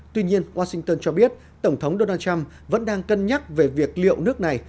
tuy nhiên washington cho biết tổng thống donald trump vẫn đang cân nhắc về việc liệu nước này